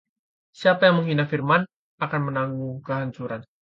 Siapa menghina firman akan menanggung kehancuran